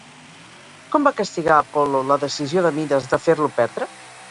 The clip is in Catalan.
Com va castigar Apol·lo la decisió de Mides de fer-lo perdre?